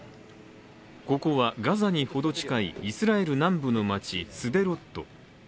ここはガザにほど近いイスラエル南部の町、スデロット。